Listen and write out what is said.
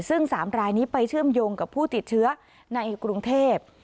ซึ่ง๓รายนี้ไปเชื่อมโยงกับผู้ติดเชื้อในกรุงเทพ